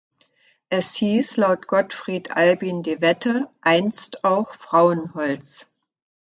Es hieß laut Gottfried Albin de Wette einst auch Frauenholz.